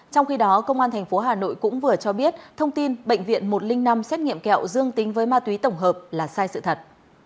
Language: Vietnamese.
trong khi đó công an tp hà nội cũng vừa cho biết thông tin bệnh viện một trăm linh năm xét nghiệm kẹo dương tính với ma túy tổng hợp là sai sự thật